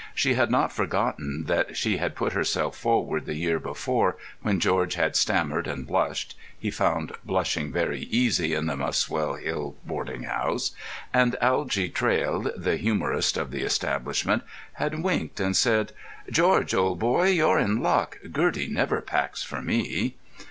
She had not forgotten that she had put herself forward the year before, when George had stammered and blushed (he found blushing very easy in the Muswell Hill boarding house), and Algy Traill, the humorist of the establishment, had winked and said, "George, old boy, you're in luck; Gertie never packs for me."